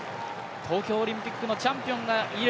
東京オリンピックのチャンピオンもいる。